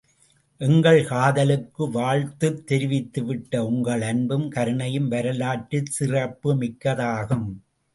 எங்கள் காதலுக்கு வாழ்த்துத் தெரிவித்துவிட்ட உங்கள் அன்பும் கருணையும் வரலாற்றுச் சிறப்புமிக்கதாகும்!